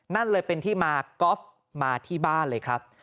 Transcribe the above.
นั่นเลยเป็นที่มากอล์ฟมาที่บ้านเลยครับ